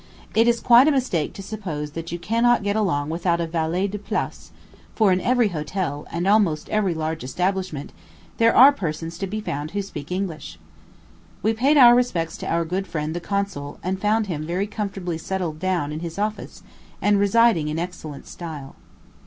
It is quite a mistake to suppose that you cannot get along without a valet de place for in every hotel, and almost every large establishment, there are persons to be found who speak English. We paid our respects to our good friend the consul, and found him very comfortably settled down in his office, and residing in excellent style.